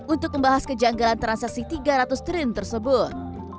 untuk membahas kejanggalan transaksi tiga ratus triliun tersebut